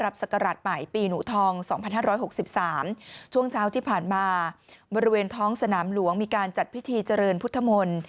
บริเวณท้องสนามหลวงมีการจัดพิธีเจริญพุทธมนต์